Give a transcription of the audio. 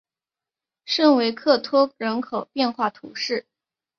圣维克托人口变化图示